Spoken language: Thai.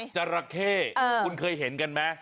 จราเข้คุณเคยเห็นกันไหม